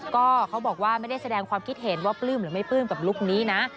ก็เขาบอกว่าไม่ได้แสดงความคิดเห็นว่าปลื้มหรือไม่ปลื้มกับลุคนี้นะ